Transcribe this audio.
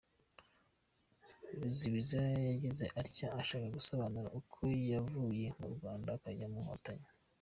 Ruzibiza yagize atya ashaka gusobanura uko yavuye mu Rwanda akajya mu nkotanyi.